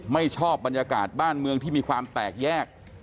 ไม่ชอบบรรยากาศบ้านเมืองที่มีความแตกแยก